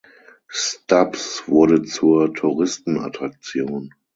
Stubbs wurde zur Touristenattraktion.